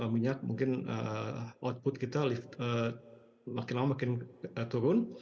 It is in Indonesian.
minyak mungkin output kita makin lama makin turun